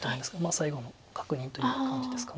最後の確認という感じですか。